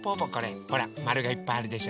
ほらまるがいっぱいあるでしょ。